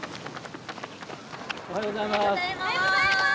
おはようございます。